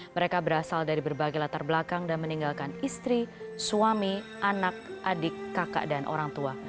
mereka berasal dari berbagai latar belakang dan meninggalkan istri suami anak adik kakak dan orang tua